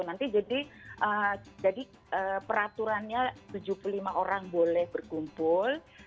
nanti jadi peraturannya tujuh puluh lima orang boleh berkumpul